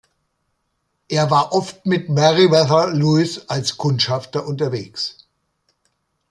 Er war oft mit Meriwether Lewis als Kundschafter unterwegs.